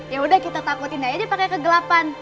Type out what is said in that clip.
yaudah kita takutin aja dia pake kegelapan